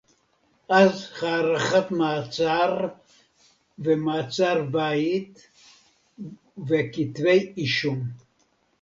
אז הארכת מעצר ומעצר-בית וכתבי-אישום